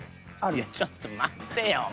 いやちょっと待ってよ。